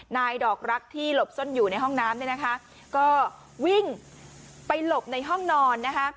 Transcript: ดอกรักที่หลบซ่อนอยู่ในห้องน้ำเนี่ยนะคะก็วิ่งไปหลบในห้องนอนนะคะ